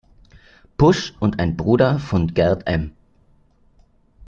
Pusch, und ein Bruder von Gerd-M.